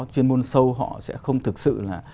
chuyên môn sâu họ sẽ không thực sự là